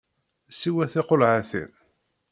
Siwa tiqulhatin!